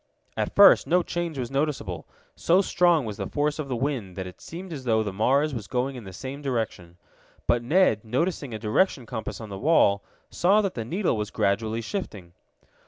At first no change was noticeable. So strong was the force of the wind that it seemed as though the Mars was going in the same direction. But Ned, noticing a direction compass on the wall, saw that the needle was gradually shifting.